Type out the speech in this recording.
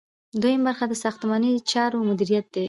دوهم برخه د ساختماني چارو مدیریت دی.